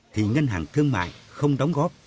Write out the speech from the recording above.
thì ngân hàng thương mại không đóng góp